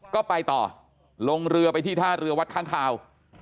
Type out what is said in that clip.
ก็ไปต่อลงเรือไปที่ท่าเรือวัดข้างคาว